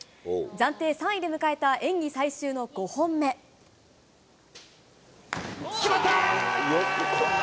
暫定３位で迎えた演技最終の５本決まったー！